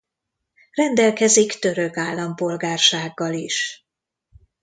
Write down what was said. Rendelkezik török állampolgársággal is.